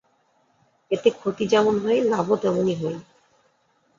এতে ক্ষতি যেমন হয়, লাভও তেমনি হয়।